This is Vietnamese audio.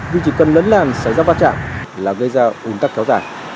vì chỉ cần lấn làn xảy ra vạch chạm là gây ra ủn tắc khéo dài